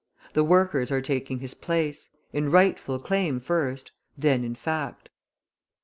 The workers are taking his place, in rightful claim first, then in fact.